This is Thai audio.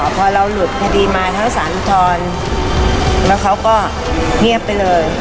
พอเราหลุดคดีมาทั้งสารอุทธรณ์แล้วเขาก็เงียบไปเลย